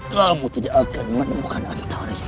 kamu tidak akan menemukan antari